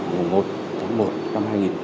mùa một tháng một